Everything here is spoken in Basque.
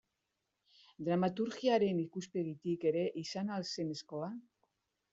Dramaturgiaren ikuspegitik ere izan al zen eskola?